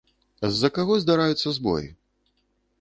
З-за каго здараюцца збоі?